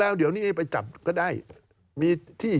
การเลือกตั้งครั้งนี้แน่